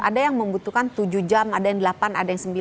ada yang membutuhkan tujuh jam ada yang delapan ada yang sembilan